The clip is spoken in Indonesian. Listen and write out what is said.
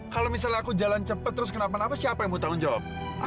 kalau misalnya aku jalan cepat terus kenapa napa siapa yang mau tanggung jawab